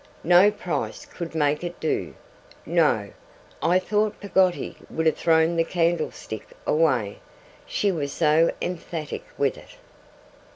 No price could make it do. No!' I thought Peggotty would have thrown the candlestick away, she was so emphatic with it.